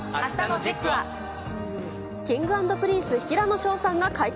Ｋｉｎｇ＆Ｐｒｉｎｃｅ・平野紫耀さんが解決。